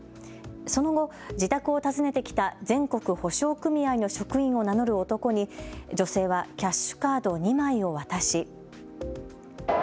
その後、自宅を訪ねてきた全国保証組合の職員を名乗る男に女性はキャッシュカード２枚を渡し。